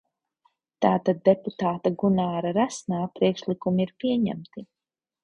Tātad deputāta Gunāra Resnā priekšlikumi ir pieņemti.